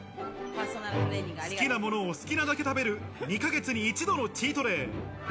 多好きなものを好きなだけ食べる、２ヶ月に一度のチートデイ。